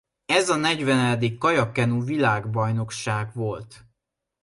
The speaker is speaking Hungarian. Ez a negyvenedik kajak-kenu világbajnokság volt.